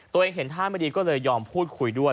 ตัวเองเห็นท่าไม่ดีก็เลยยอมพูดคุยด้วย